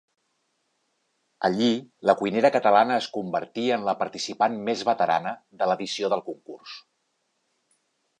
Allí, la cuinera catalana es convertí en la participant més veterana de l'edició del concurs.